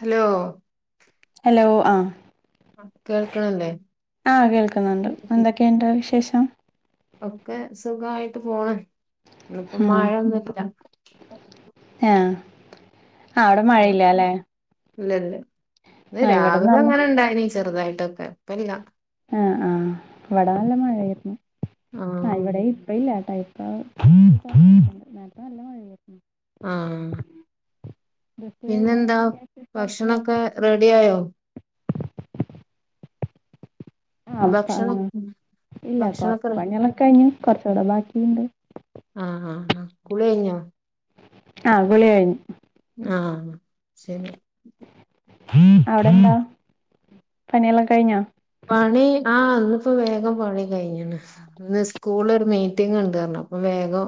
Hello hello ആഹ് കേൾക്കണില്ലേ ആഹ്‌ കേൾക്കുന്നുണ്ട് എന്തൊക്കെയുണ്ട് വിശേഷം ഒക്കെ സുഖമായിട്ട് പോണ് ഇന്നിപ്പോ മഴൊന്നും ഇല്ല ഏഹ് ഇല്ലല്ല ഇന്ന് ആ ഇവിടെ രാവിലെ നല്ല അങ്ങനെ ഇണ്ടായിനീ ചെറുതായിട്ടൊക്കെ [unintelligible] ആഹ് ആഹ് ഇവട നല്ല മഴയായിരുന്നു ആഹ് ആ ഇവിടെ ഇപ്പ ഇല്ലട്ടാ ഇപ്പ [unintelligible] നേരത്തെ നല്ല മഴയായിരുന്നു ആഹ് ഡ്രസ്സ് പിന്നെന്താ കഴുകാന്നൊക്കെ വിചാരിച്ച് പുറത്ത് പോയപ്പോ ഭക്ഷണൊക്കെ റെഡി ആയോ ഭക്ഷണം ആഹ് ഇല്ല ഭക്ഷണൊക്കെ കൊറച്ച് റെഡി പണിളൊക്കെ കഴിഞ്ഞു കൊറച്ചൂടെ ബാക്കിയ്ണ്ട് ആഹ് ആഹ് ആഹ് കുളി കഴിഞ്ഞോ ആഹ് കുളി കഴിഞ്ഞു ആഹ് ശെരി അവടെന്താ പണിയെല്ലാം കഴിഞ്ഞോ? പണി ആഹ് ഇന്നിപ്പോ വേഗം പണി കഴിഞ്ഞണ് ഇന്ന് സ്കൂളൊരു മീറ്റിങ് ഇണ്ട് പറഞ്ഞ് അപ്പോ വേഗോ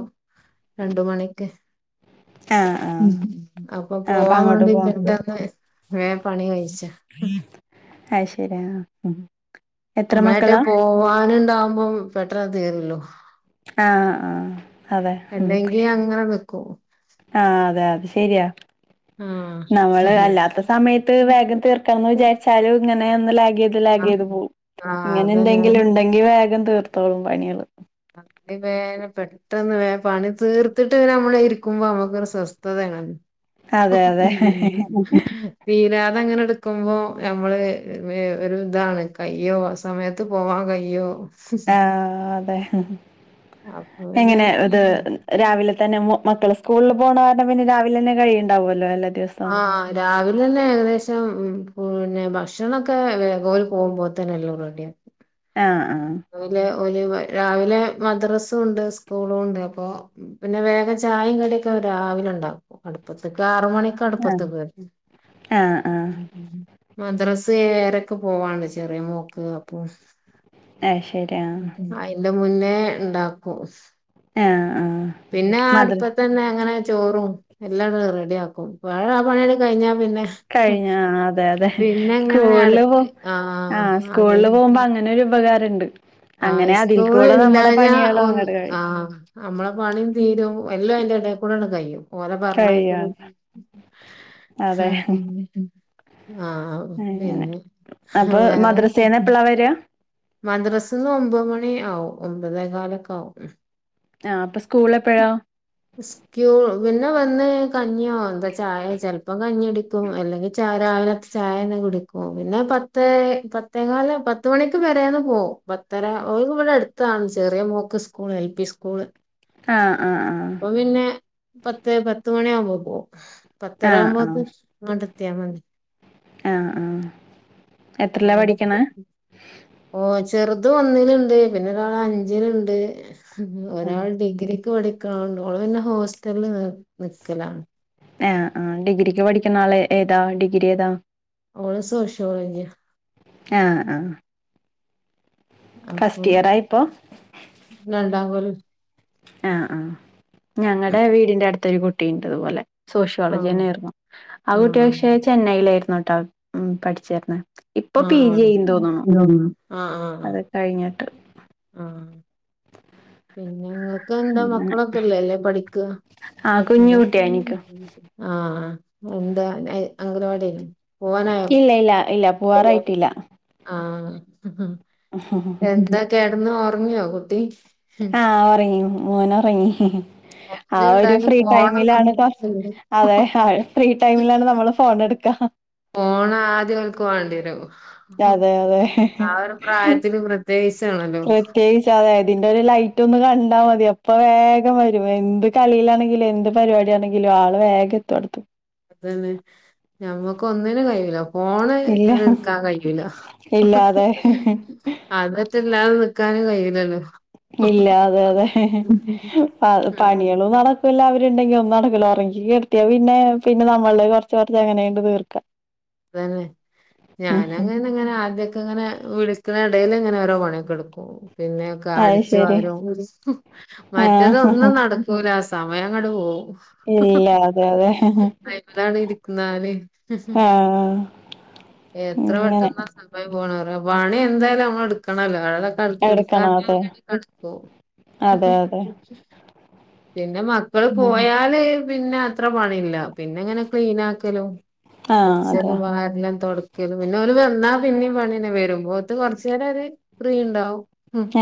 രണ്ട് മണിക്ക് ആ ആ ഉം ഉം അപ്പോ ആ അപ്പൊ പോവാൻ അങ്ങോട്ട് വേണ്ടി പോവാം പെട്ടെന്ന് ഏഹ് പണി കഴിച്ച് അയ്ശെരി ആഹ് നമ്മളായിട്ട് പോവാനുണ്ടാവുമ്പോം പെട്ടെന്ന് തീരുല്ലോ ആഹ് ആഹ് അതെ ഉം ങ്ങനെ നിക്കു ആഹ് അതെ അത് ശരിയാ ആഹ് നമ്മള് അല്ലാത്ത സമയത്ത് വേഗം തീർ ക്കാന്ന് വിചാരിച്ചാലും ഇങ്ങനെ ഒന്ന് ലാഗ് ചെയ്യ് ത് ആഹ് ലാഗേയ്യ്ത് പോം ആഹ് ഇങ്ങനെ അതന്നെ എന്തെങ്കിലും ഉണ്ടെങ്കി വേഗം തീർത്തോളും പണികള് [unintelligible] പെട്ടെന്ന് വേ പണി തീർത്തിട്ട് പിന്നെ നമ്മള് ഇരിക്കുമ്പോ നമ്മുക്കൊരു സ്വസ്ഥതയാണ് അതെ അതെ [unintelligible] തീരാതങ്ങനെ എടുക്കുമ്പോ നമ്മള് ഒരു ഇതാണ് കയ്യോ വസ് സമയത്ത് പോവാൻ കയ്യോ ആഹ് അതെ അപ്പോ പിന്നെ എങ്ങനെ ഇത് രാവിലെ തന്നെ മക്കള് സ്കൂളില് പോണ കാരണം പിന്നെ രാവിലെന്നെ കഴിയുണ്ടാവുല്ലേ ദിവസം ആഹ് രാവിലെ തന്നെ ഏകദേശം ഉം പിന്നെ ഭക്ഷണൊക്കെ [unintelligible] പോകുമ്പോത്തെന്നെല്ലാ റെഡിയാവും ആഹ് ആഹ് ഓല് ഓല് രാവിലെ മദ്രാസുണ്ട് സ്കൂളും ഒണ്ട് അപ്പോ പിന്നെ വേഗം ചായേം കടിയൊക്കെ രാവിലെ ഉണ്ടാക്കും അടുപ്പത്ത്ക്ക് ആറുമണി ആ ക്കടുപ്പത്ത് ആ ആ [unintelligible] മദ്രാസെ ഏഴരക്കെ പോവാണ്ട് ചെറിയ മോക്ക് അപ്പോ അത് ശരി ആ അയിൻ്റെ മുന്നേ ഇണ്ടാക്കും ഏഹ് ആഹ് പിന്നെ ആഹ് അടുപ്പത്തന്നെ അങ്ങനെ ചോറും എല്ലാടും റെഡി ആക്കും [unintelligible] ആഹ് പണി അങ്ങു കഴിഞ്ഞാ പിന്നെ കഴിഞ്ഞ അതെ അതെ പിന്നെ ഇങ്ങനെ അടു സ്കൂളില് പോ ആഹ് സ്കൂളില് പോമ്പോ അങ്ങനൊരു ഉപകാര ര്ണ്ട് ആഹ് ഇസ്കൂള് ഇല്ലഞ്ഞാ ഒന്ന് അങ്ങട് കഴിയും ആഹ് നമ്മളെ പണിയും തീരും എല്ലാം അയിന്റെ എടെകൂടെന്നെ കയ്യും ഓലെ പർഞേക്കലും കഴിയാണ് അതെ [unintelligible] ആഹ് അങ്ങനെ പിന്നെ അപ്പൊ വേറെന്താ? മദ്രസേന്ന് എപ്പളാ വരാ മദ്രസ്ന്ന് ഒമ്പത് മണി ആവും ഒമ്പതേകാലൊക്കാവും ആഹ് അപ്പം സ്കൂളേപ്പഴാ? [unintelligible] ക്യൂ പിന്നെ വന്ന് കഞ്ഞിയോ എന്താ ചായ ചെൽപ്പം കഞ്ഞിടിക്കും അല്ലെങ്കി ച രാവിലതേ ചായെന്നെ കുടിക്കും പിന്നെ പത്തേ പത്തേ കാല പത്ത് മണിക്ക് പേരേന്ന് പോവും പത്തര ഓല്ക്ക് വടെ എടുത്താണ് ചെറിയ മോക്ക് സ്കൂള് എൽ പി സ്കൂള് ആഹ് ആഹ് ആഹ് അപ്പ പിന്നെ പത്ത് പത്ത് മണിയാവുമ്പോ പോവും ആ ആ പത്തരാകുമ്പോത്തിനും അങ്ങട്ടെത്തിയാ മതി ആഹ് ആഹ് എത്രെല്ലാ പഠിക്ക്ണെ? ഓ ചെറുത് ഒന്നില്ണ്ട് പിന്നൊരാള് അഞ്ചില്ണ്ട് ഒരാള് ഡിഗ്രി ക്ക് പഠിക്ക്ണോള്ണ്ട് ഓള് പിന്നെ ഹോസ്റ്റൽല് നിക്കലാ എഹ് ആഹ് ഡിഗ്രിക്ക് പഠിക്കുന്നാള് ഏതാ ഡിഗ്രിയേതാ? ഓള് സോഷ്യോളജിയാ ആഹ് ആഹ് അപ്പം ഇയറാ ഇപ്പൊ രണ്ടാം കൊല്ലം ആഹ് ആഹ് ഞങ്ങളടെ വീടിന്റെ അട്ത്തൊരു കുട്ടിണ്ട് ഇതുപോലെ ആഹ് സോഷ്യോളജിന്നെയാര്ന്നു ആ കുട്ടി ആഹ് പക്ഷെ ചെന്നൈയിലായിരുന്നുട്ടോ പഠിച്ചിര്ന്നെ ആഹ് ആഹ് അത് ആഹ് കഴിഞ്ഞിട്ട് ആഹ് ആഹ് പിന്നെ ഇങ്ങക്കെന്താ അങ്ങനെ മക്കളൊക്കെല്ലേ? അല്ലേ പഠിക്കാ? ആ കുഞ്ഞു കുട്ടിയാ എനിക്ക് ആഹ് എന്താ നയ് അംഗലവാടീല് പോവാനായോ? ഇല്ല ഇല്ല ഇല്ല പോവാറായിട്ടില്ല ആഹ് ഹ് ഹ് ഹ് എന്താ കെടന്ന് ഒറങ്ങിയോ കുട്ടി? ആഹ് ഒറങ്ങി മോനൊറങ്ങി ആ ഓല് ഒരു എന്തായാലും ഫ്രീ ഫോണൊന്നും ടൈമിലാണ്പ്പോ അതെ ആഹ് ഫ്രീ ടൈമിലാണ് നമ്മള് ഫോണെട്ക്ക ഫോൺ ആദ്യം ഓല്ക്ക് വാണ്ടിയെരും മ് അതെ അതെ ആഹ് ഒരു പ്രായത്തില് പ്രത്യേകിച്ചാണല്ലോ? പ്രത്യേകിച്ച് അതെ ഇതിന്റൊരു ലൈറ്റൊന്ന് കണ്ടാ മതി അപ്പൊ വേഗം വെരും എന്ത് കളിയിലാണെങ്കിലും എന്ത് പരിവാടിയാണെങ്കിലും ആള് വേഗെത്തു അട്ത്ത് അതെന്നെ ഞമ്മക്കൊന്നിനും കയ്യുലപ്പൊ ഫോണ് ഇല്ല ഇങ്ങട് ഇട്ക്കാൻ കയ്യുല ഇല്ല അതെ അതെറ്റെല്ലാതെ നിക്കാനും കയ്യൂലല്ലോ? ഇല്ല അതെ അതെ പണികളും നടക്ക ഇപ്പെല്ലാ അവര്ണ്ടെങ്കിയൊന്നും നടക്കൂല ഒറങ്ങി കെടത്തിയാ പിന്നെ പിന്നെ നമ്മള്ടേത് കൊറച്ച് കൊറച്ച് അങ്ങനേണ്ട് തീർക്കാം. അതന്നെ ഉം ഉം ഞാനങ്ങനന്നെ ഇങ്ങനെ ആദ്യക്കെങ്ങനെ വിളിക്ക്ളെടേല് ഇങ്ങനെ ഓരോ പണിയെക്കെടുക്കും പിന്നെ അത് അടിച്ചു ശരി വാരും മറ്റെതൊന്നും ആഹ് നടക്കൂല സമയങ്ങട്ട് പോവും ഇല്ല അതെ അതെ അയ്മലാണ്ട് ഇര്ന്നാല് ആഹ് എത്ര ഇങ്ങനെ പെട്ടെന്നാ സമയം പോണറിയോ? പണിയെന്തായാലും നമ്മള് ഇട്ക്കണല്ലോ? അ ഇട്ക്കാഞാ എടുക്കണം അതെ പിന്നവ്ടിം കട്ക്കും അതെ അതെ പിന്നെ മക്കള് ഉം പോയാല് പിന്നെ അത്ര പണില്ല പിന്നെങ്ങനെ ക്ലീനാക്കലും, ആഹ് അതെ അടിച്ചലും, വാരലൊക്കെ തൊട്ക്കലും പിന്നെ ഓര് വന്നാ പിന്നിം പണിയെന്നെ വരുമ്പോത്ത് കൊർച്ചേരൊരു ഫ്രീയ്ണ്ടാവും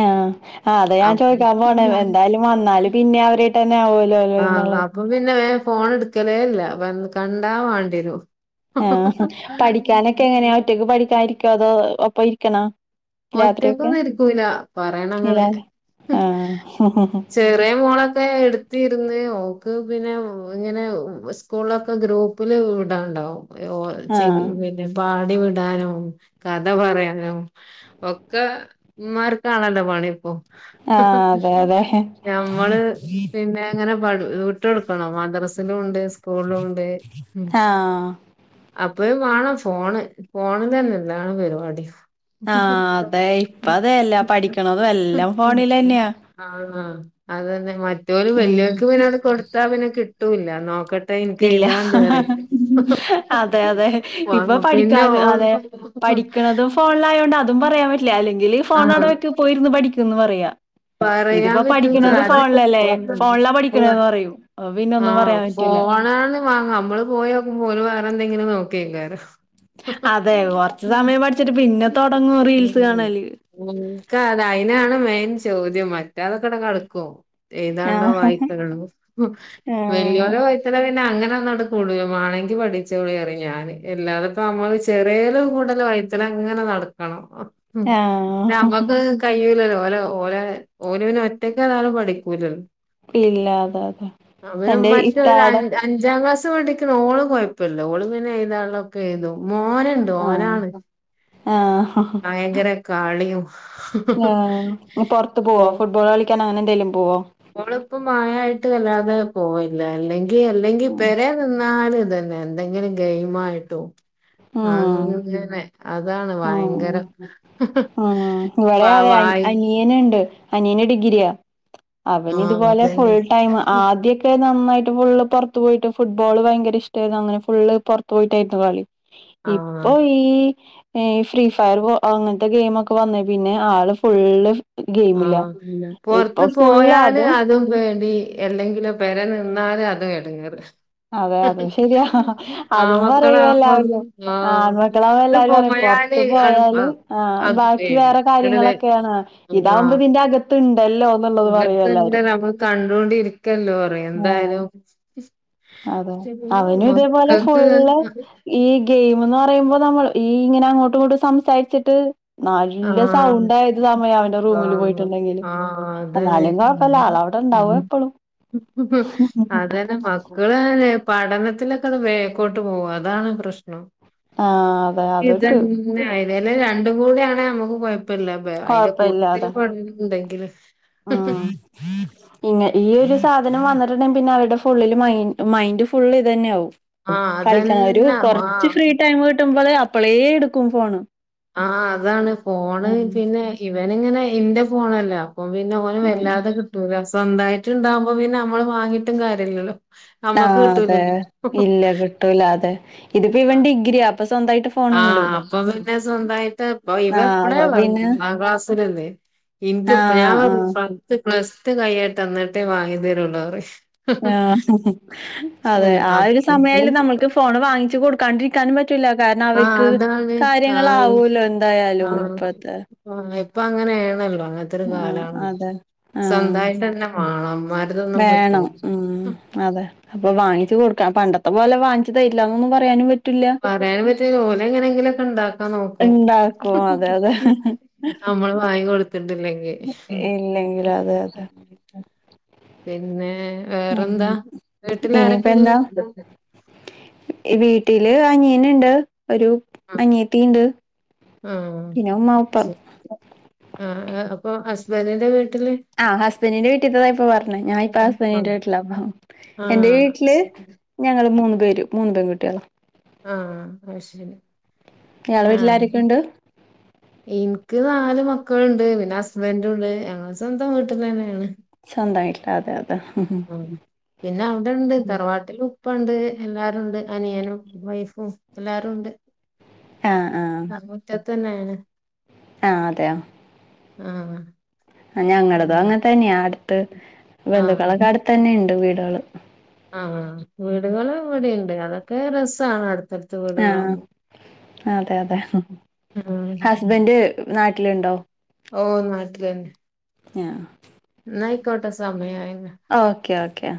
ആഹ് അത് ഞാൻ ചോയ്ക്കാം പോണെ എന്തായാലും വന്നാല് പിന്നെ അവരുവായിട്ടെന്നെ ആവോല്ലോ ആഹ് അപ്പൊ പിന്നെ വേം ഫോണ് ഇട്ക്കെലേല്ല്യ വന്നാ കണ്ടാ മാണ്ടിയെരും ആഹ് പഠിക്കാനൊക്കെങ്ങനെയാ ഒറ്റക്ക് പഠിക്കാരിക്കോ അതോ ഒപ്പം ഇരിക്കണോ? രാത്രിയൊക്കെ ഒറ്റക്കൊന്നും ഇരിക്കൂല പറയണെങ്ങനെ ഇല്ലാല്ലേ ആഹ് ചെറിയ മോളൊക്കെ എടു തീരുന്ന് ഓക്ക് പിന്നെ ഇങ്ങനെ സ്കൂളിലൊക്കെ ഗ്രൂപ്പില് വിടാണ്ടാവും ഓ ചെല്ലി ആഹ് പിന്നെ പാടി വിടാനോ കഥ പറയാനോ ഒക്കെ ഉമാർക്കണല്ലോ പണി ഇപ്പൊ ആഹ് അതെ അതെ ഞമ്മള് പിന്നെ അങ്ങനെ വടു വിട്ടുകൊടുക്കണോ മദ്രസിലും ഉണ്ട് സ്കൂളിലും ഉണ്ട് ആഹ് അപ്പഴും വേണം ഫോണ് ഫോണില് തന്നെ എല്ലാം പരിപാടി ആഹ് അതെ ഇപ്പം അതെല്ലേ പഠിക്കണതും എല്ലാം ഫോണില് തന്നെയാ ആന്ന് അത് തന്നെ മറ്റവര് ഉം വലിയവർക്ക് പിന്നെ അത് കൊടുത്താ പിന്നെ കിട്ടൂല്ല നോക്ക- - ടെ എനിക്ക് ഇല്ല ഏഴുതാണ്ട് പറയും അതെ അതെ ഇപ്പൊ വാങ്ങും പിന്നെ പഠിക്കാൻ അതെ ഓൾടെ പഠിക്കണതും [unintelligible] ഫോണിലായോണ്ട് അതും പറയാൻ പറ്റില്ല അല്ലെങ്കില് ആഹ് ഫോണവിടെ വയ്ക്ക് പോയിരുന്നു പഠിക്കുന്ന് പറയാം പറയാൻ ഇതിപ്പോ പറ്റൂല പഠിക്കണത് അത് ഫോണിലല്ലേ ഫോണിലാ പഠിക്കണന്ന് പറയും അപ്പൊ പിന്നെ ഒന്നും പറയാൻ പറ്റൂല ഫോണാന്നാ വാങ്ങാം നമ്മള് പോയി നോക്കുമ്പോ ഓരു വേറെ എന്തെങ്കിലും നോക്കിരിക്കാറും അതെ കൊറച്ച് സമയം പഠിച്ചിട്ട് പിന്നെ തൊടങ്ങും റീൽസ് കാണല് എനക്ക് അത് അയിനാണ് മെയിൻ ചോദ്യം മറ്റതൊക്കെ ഇട കെടക്കുവോ ഏതാണോ ആഹ് വായിക്കനുള്ളത് ഉം വലിയോല ആഹ് വായി ഇവിടെ പിന്നെ അങ്ങനെ ഒന്നും അങ്ങട് കൂടുല മേണെങ്കി പഠിച്ചോളീ പറയും ഞാന് എല്ലാത ഇപ്പ അമ്മള് ചെറിയലും കൂടുതൽ വൈ തിനങ്ങനെ നടക്കണം പിന്നെ ആഹ് നമ്മക്ക് കഴിയൂല്ലല്ലോ ഓര ഓര ഓന് പിന്നെ ഒറ്റക്ക് ഒരാള് പഠിക്കൂലല്ലോ ഇല്ല അതെ അതെ അവന് എന്റെ മറ്റൊരു ഇത്താടെ അഞ്ച് അഞ്ചാം ക്ലാസ് പഠിക്കുന്ന ഓള് കൊഴപ്പമില്ല ഓള് പിന്നെ എഴുതാൻ ഉള്ളതൊക്കെ എഴുതും മോന് ഒണ്ട് ആഹ് ഓനാണ് ആഹ് ഭയങ്കര കളിയും [unintelligible] മോൻ പുറത്ത് പോവാ ഫുട്ബോൾ കളിക്കാൻ അങ്ങനെന്തെലും പോവോ ഓളിപ്പോ മയയായിട്ട് വല്ലാതെ പോയില്ല അല്ലെങ്കി അല്ലെങ്കി ഉം പെരെ നിന്നാലും ഇത് തന്നെ എന്തെങ്കിലും ഗെയിംമായിട്ടോ അങ്ങനെ അതാണ് ഭയങ്കര [unintelligible] ഇവിളെ അതെ അനിയനുണ്ട് അനിയന് ഡിഗ്രിയാ അവൻ ആഹ് ഇതുപോലെ ഫുൾ അതന്നെ ടൈം ആദ്യക്ക് ക്കെ നന്നായിട്ട് ഫുള്ള് പുറത്തു പോയിട്ട് ഫുട്ബോള് ഭയങ്കര ഇഷ്ടമായിരുന്നു അങ്ങനെ ഫുള്ള് പുറത്ത് പോയിട്ടായിരുന്നു കളി ഇപ്പൊ ആഹ് ഈ ഈ ഫ്രീ ഫയർ അങ്ങനത്തെ ഗെയിം ഒക്കെ വന്നേ പിന്നെ ആള് ഫുള്ള് ഗെയിമിലാ ആഹ് ഇല്ല ഇപ്പൊ പൊറത്ത് ഫുള്ള് പോയാല് അതും വേണ്ടി എന്തെങ്കിലും പെരെ നിന്നാലും അതും ഇടങ്ങേറ് അതെ അതും ശരിയാ അതും പറയും ആമക്കളാവുമ്പം എല്ലാവരും ആഹ് ആൺമക്കളാവ ഇത് എല്ലാവരും പറയും പൊറത്ത് പോയാല് ത്ത് അടു ആ പോയാല് ആഹ് അത് ബാക്കി പേടി വേറെ ഇങ്ങട് വെ കാര്യങ്ങളൊക്കെയാണ് ഇതാവുമ്പോ ആഹ് ഇതിന്റെ അകത്ത് ഇണ്ടല്ലോ എന്നുള്ളത് പറയും എല്ലാവരും കണ്ടൊണ്ടിരിക്കല്ലോ പറയും ഉം എന്തായാലും അതെ അവനും ഇതേപോലെ മക്കക്ക് ഫുള്ള് ഈ ഗെയിം എന്ന് പറയുമ്പോ നമ്മൾ ഈ ഇങ്ങനെ അങ്ങോട്ടും ഇങ്ങോട്ട് സംസാരിച്ചിട്ട് നല്ല ആഹ് സൗണ്ട് ആയത് സമയം അവന്റെ റൂമില് ആഹ് പോയിട്ടുണ്ടെങ്കിൽ ആഹ് അതന്നെ എന്നാലും കൊഴപ്പമില്ല ആളവിടെ ഒണ്ടാവും എപ്പളും [unintelligible] അതേ പിന്നെ മക്കള് പഠനത്തിലൊക്കെ അത് ബേക്കോട്ട് പോകും അതാണ് പ്രശ്നം ആഹ് അതെ അതിട്ട് ഇതന്നെ ആയത് അല്ലെ രണ്ടും കൂടെയാണെ നമുക്ക് കൊയപ് പ്പില്ല അതിന്റെ കൊഴപ്പ കൂട്ടത്തിൽ പഠനം ഉണ്ടെങ്കില് ആഹ് [inaudible] ഇങ്ങ ഈ ഒരു സാധനം വന്നിട്ടുണ്ടെങ്കിൽ പിന്നെ അവരുടെ ഫുള്ളിൽ മൈൻഡ് ഫുള്ള് ഇത് തന്നെ ആവും ആഹ് കളിക്കാൻ ഒരു അതന്നെ കൊറച്ച് ആഹ് ഫ്രീ ടൈമ് കിട്ടുമ്പോളെ അപ്പളേ എടുക്കും ഫോണ് ആഹ് അതാണ് ഉം ഫോണ്ച്ചയ്ഞ ഇവന് ഇങ്ങനെ ഇന്റെ ഫോണല്ല അപ്പം പിന്നെ ഓന് ആഹ് വല്ലാതെ കിട്ടൂല സ്വന്തായിട്ട് ഇണ്ടാവുമ്പോ പിന്നെ നമ്മള് വാങ്ങീട്ടും കാര്യല്ലല്ലോ ആഹ് നമ്മക്ക് അതെ കിട്ടൂലല്ലോ ഇല്ല കിട്ടൂല അതെ ഇതിപ്പൊ ഇവൻ ഡിഗ്രിയ അപ്പൊ സ്വന്തായിട്ട് ഫോണുണ്ട് ആഹ് അപ്പൊ പിന്നെ ആഹ് അപ്പ പിന്ന ആ ക്ലാസ്സിലല്ലേ എനിക്ക് ഞാൻ ആഹ് പത്ത് പ്ലസ് ടു കയ്യട്ടെ എന്നിട്ടേ വാങ്ങി തരുള്ളു പറയും ആഹ് അതെ ആ ഒരു സമയയാൽ നമ്മൾക്ക് ഫോൺ വാങ്ങിച്ച് കൊടുക്കാണ്ടിരിക്കാനും പറ്റൂ റ്റുല്ല കാരണം ആഹ് അവർക്ക് അതാണ് ആഹ് കാര്യങ്ങളാവുല്ലോ എന്തായാലും ഇപ്പോഴ്ത്തെ ഉം ഇപ്പൊ അങ്ങനെ ആണല്ലോ അ ത്തരു ആഹ് കാലാണ്. അതെ ആഹ് സ്വന്തായിട്ടന്നെ മാണം. മ്മാര്തൊന്നും പറ്റൂല വേണം ഉം അതെ അപ്പൊ വാങ്ങിച്ചു കൊടുക്കാ പണ്ടത്തെ പോലെ വാങ്ങിച്ചു തരില്ലന്നൊന്നും പറയാനും പറ്റില്ല പറയാനും പറ്റൂല ഓലെങ്ങനെങ്കിലൊക്കണ്ടാക്കാ നോക്കും ഇണ്ടാക്കും അതെ അതെ നമ്മള് വാങ്ങി കൊടുത്തിട്ടില്ലെങ്കിൽ ഇല്ലെങ്കിൽ അതെ അതെ പിന്നെ ഉം വേറെന്താ വീട്ടിൽ ഇനിയിപ്പ ആരൊക്കെയാ എന്താ ഉള്ളത് ഈ വീട്ടില് അനിയനീണ്ട് ഒരു ആഹ് അനിയത്തിണ്ട് ആഹ് പിന്നെ ഉമ്മ ഉപ്പ ആഹ് ആഹ് അപ്പൊ ഹസ്ബന്റിന്റെ വീട്ടില് ആഹ് ഹസ്ബെന്റിന്റെ വീട്ടിത്തെതാ ഇപ്പൊ പറഞ്ഞേ ഞാൻ ഇപ്പൊ ആഹ് ഹസ്ബെന്റിന്റെ വീട്ടിലാപ്പം ആഹ് ഞങ്ങള് മൂന്ന് പേരും മൂന്ന് പെൺ കുട്ടികളാ അഹ് അയ് ശെരി ഇയാളെ അഹ് വീട്ടിലാരൊക്കെയുണ്ട് ഇന്ക്ക് നാല് മക്കൾണ്ട്. പിന്നസ്ബന്റുണ്ട്. ഞങ്ങള് സ്വന്തം വീട്ട്ലന്നേണ് സ്വന്തായിട്ട് അതെ അതെ ആ പിന്നേ അവിടെണ്ട് തറവാട്ടിൽ ഉപ്പണ്ട് എല്ലാരുണ്ട് അനിയനും വൈഫും എല്ലാരും ഉണ്ട് ആഹ് ആഹ് റ്റത്ത് തന്നേണ് ആഹ് അതെയോ ആഹ് ഞങ്ങളതും പിന്നെ അങ്ങനെ തന്നെയാ അടുത്ത് ആഹ് ബന്ധുക്കളൊക്കെ അടുത്ത് തന്നെണ്ട് വീടുകള് ആഹ് വീടുകള് ഇവിടിണ്ട് അതൊക്കെ രസാണ് അടുത്തടു ആഹ് അതെ അതെ. ഉം ഹസ്ബന്റ് നാട്ടിലുണ്ടോ? ഓ നാട്ടിൽ തന്നെ ആഹ് ന്നായിക്കോട്ടെ സമയായി ഓക്കെ ഓക്കെ